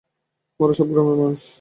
ওরা সব গ্রামের শিশু।